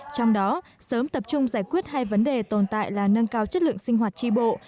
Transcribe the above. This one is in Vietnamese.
trong đó sớm tập trung giải quyết hai vấn đề tồn tại là nâng cao chất lượng sinh hoạt tri bộ